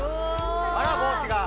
あら帽子が。